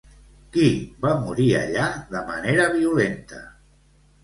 Qui va morir allà de manera violenta?